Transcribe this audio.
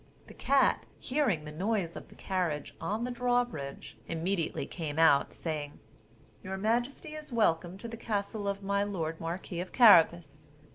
The cat, hearing the noise of the carriage on the drawbridge, immediately came out, saying: "Your majesty is welcome to the castle of my lord marquis of Carabas."